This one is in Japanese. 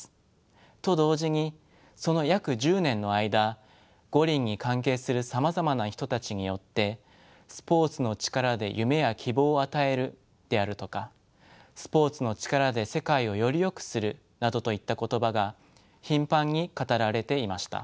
と同時にその約１０年の間五輪に関係するさまざまな人たちによって「スポーツの力で夢や希望を与える」であるとか「スポーツの力で世界をよりよくする」などといった言葉が頻繁に語られていました。